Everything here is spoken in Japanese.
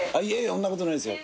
そんなことないですよ。